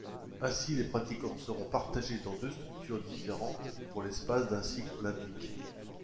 Ainsi, les pratiquants seront partagés dans deux structures différentes pour l’espace d’un cycle olympique.